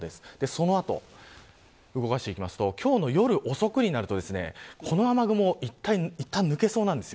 その後、動かしていきますと今日の夜遅くになるとこの雨雲いったん抜けそうなんです。